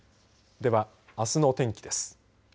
では、あすのお天気です。